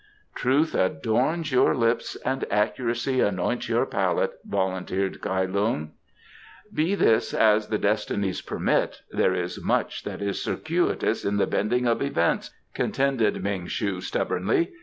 "Truth adorns your lips and accuracy anoints your palate," volunteered Kai Lung. "Be this as the destinies permit, there is much that is circuitous in the bending of events," contended Ming shu stubbornly.